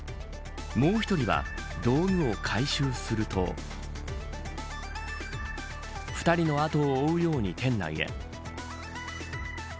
もう１人は道具を回収すると２人の後を追うように店内へ。